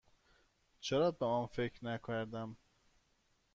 چرا به آن فکر نکردم؟